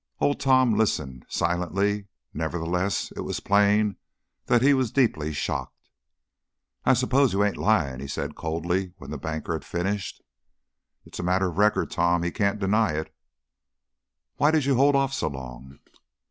Old Tom listened silently; nevertheless, it was plain that he was deeply shocked. "I s'pose you ain't lyin'," he said, coldly, when the banker had finished. "It's a matter of record, Tom. He can't deny it." "Why did you hold off so long?"